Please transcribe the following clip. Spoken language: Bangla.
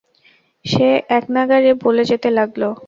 সে একনাগাড়ে বলে যেত লাগল।